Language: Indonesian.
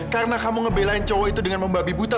karena kamu ngebelain cowok itu dengan membabi buta